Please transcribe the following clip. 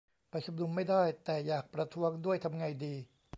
ไปชุมนุมไม่ได้ แต่อยากประท้วงด้วย ทำไงดี ?